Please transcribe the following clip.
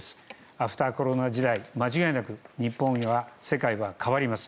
アフターコロナ時代間違いなく日本や世界は変わります。